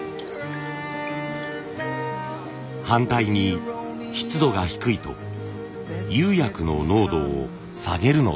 反対に湿度が低いと釉薬の濃度を下げるのです。